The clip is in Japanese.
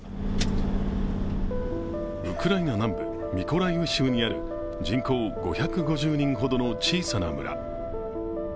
ウクライナ南部ミコライウ州にある人口５５０人ほどの小さな村。